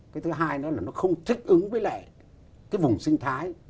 cái thứ hai nó là nó không thích ứng với lại cái vùng sinh thái